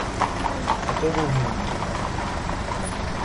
A todo o mundo